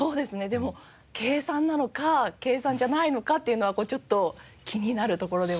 でも計算なのか計算じゃないのかっていうのはちょっと気になるところでは。